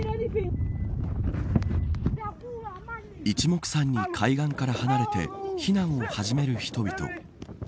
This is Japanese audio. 一目散に海岸から離れて避難を始める人々。